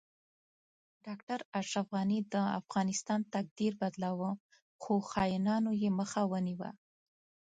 ډاکټر اشرف غنی د افغانستان تقدیر بدلو خو خاینانو یی مخه ونیوه